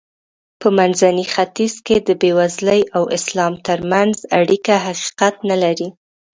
په منځني ختیځ کې د بېوزلۍ او اسلام ترمنځ اړیکه حقیقت نه لري.